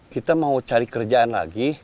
kita mau cari kerjaan lagi